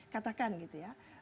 katakan gitu ya